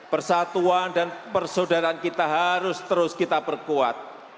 persatuan dan persaudaraan kita harus terus kita perkuat